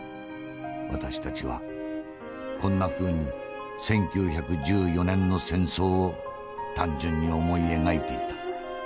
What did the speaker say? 私たちはこんなふうに１９１４年の戦争を単純に思い描いていた。